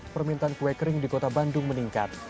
permintaan kue kering di kota bandung meningkat